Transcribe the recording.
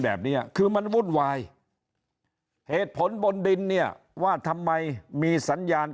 แบบนี้คือมันวุ่นวายเหตุผลบนดินเนี่ยว่าทำไมมีสัญญาณ